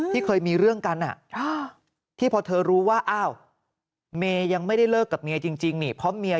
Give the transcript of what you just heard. ที่เคยมีเรื่องกันที่พอเธอรู้ว่าอ้าวเมย์ยังไม่ได้เลิกกับเมียจริงนี่เพราะเมีย